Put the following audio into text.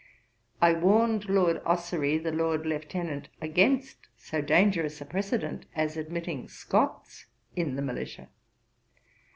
I warned Lord Ossory, the Lord Lieutenant, against so dangerous a precedent as admitting Scots in the militia.